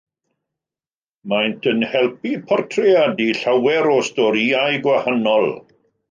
Maent yn helpu portreadu llawer o storïau gwahanol.